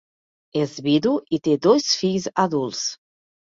És vidu i té dos fills adults.